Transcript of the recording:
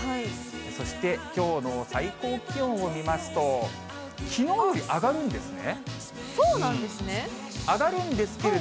そしてきょうの最高気温を見ますと、きのうより上がるんですね。